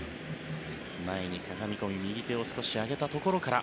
前にかがみ込み右手を少し上げたところから